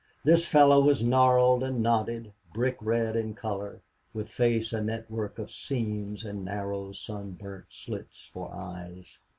This fellow was gnarled and knotted, brick red in color, with face a network of seams, and narrow, sun burnt slits for eyes.